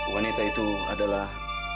wanita itu adalah